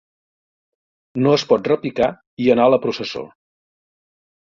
No es pot repicar i anar a la processó.